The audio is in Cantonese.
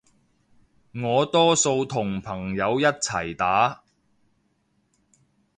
我多數同朋友一齊打